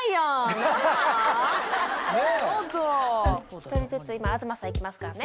１人ずつ今東さん行きますからね。